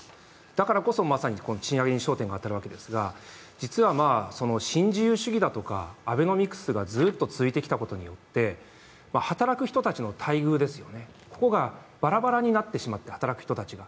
だからこそまさに賃上げに焦点が当たるわけですが実は新自由主義だとかアベノミクスがずっと続いてきたことによって働く人たちの待遇ですよね、ここがバラバラになってしまって、働く人たちが。